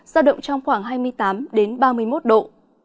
giao động trong khoảng hai mươi tám ba mươi một độ